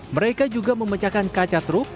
mereka juga memecahkan kaca truk